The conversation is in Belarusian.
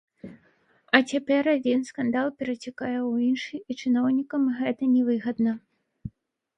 А цяпер адзін скандал перацякае ў іншы, і чыноўнікам гэта нявыгадна.